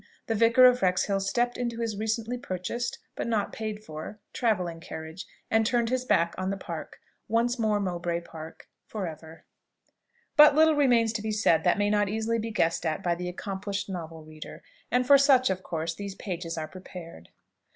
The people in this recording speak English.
the Vicar of Wrexhill stepped into his recently purchased (but not paid for) travelling carriage, and turned his back on the Park once more Mowbray Park for ever. But little remains to be said that may not easily be guessed at by the accomplished novel reader: and for such, of course, these pages are prepared.